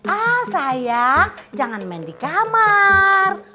ah sayang jangan main di kamar